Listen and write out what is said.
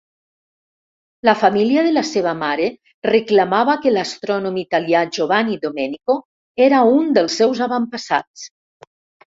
La família de la seva mare reclamava que l'astrònom italià Giovanni Domenico era un dels seus avantpassats.